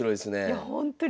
いやほんとに。